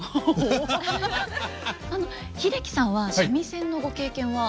英樹さんは三味線のご経験は？